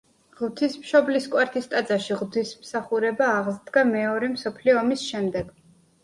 ღვთისმშობლის კვართის ტაძარში ღვთისმსახურება აღსდგა მეორე მსოფლიო ომის შემდეგ.